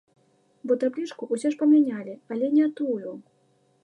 Бо таблічку ўсё ж памянялі, але не тую!